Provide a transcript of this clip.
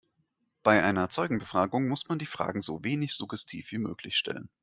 Bei einer Zeugenbefragung muss man die Fragen so wenig suggestiv wie möglich stellen.